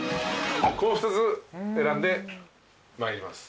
この２つ選んでまいります。